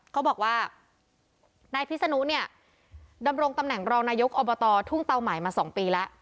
เขาบอกว่านายพิศนุเนี่ยดำรงตำแหน่งรองนายกอบตทุ่งเตาหมายมา๒ปีแล้ว